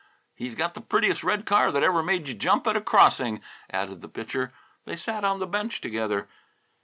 "He's got the prettiest red car that ever made you jump at a crossing," added the Pitcher. They sat on the bench together.